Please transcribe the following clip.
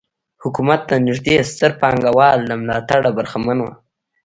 حکومت ته نږدې ستر پانګوال له ملاتړه برخمن وو.